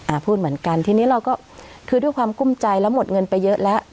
พูดเหมือนกันทีนี้เราก็คือด้วยความกุ้มใจแล้วหมดเงินไปเยอะแล้ว